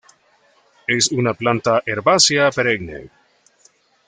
Es una planta herbácea perenne.